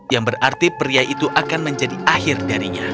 yang berarti pria itu akan menjadi akhir darinya